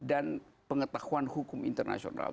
dan pengetahuan hukum internasional